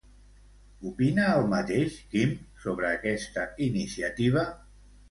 Opina el mateix Quim sobre aquesta iniciativa?